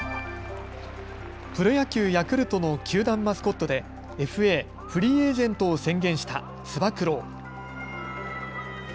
プロ野球・ヤクルトの球団マスコットでＦＡ・フリーエージェントを宣言した、つば九郎。